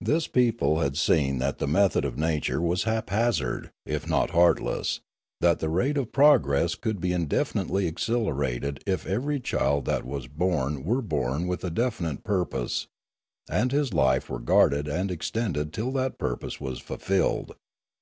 This people had seen that the method of nature was haphazard, if not heartless, that the rate of progress could be indefinitely accelerated if every child that was born were born with a definite purpose, and his life were guarded and extended till that purpose was fulfilled.